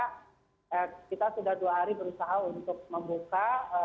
karena kita sudah dua hari berusaha untuk membuka